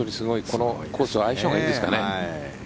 このコース相性がいいんですかね。